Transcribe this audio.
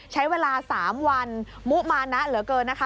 ใช้เวลา๓วันมุมานะเหลือเกินนะคะ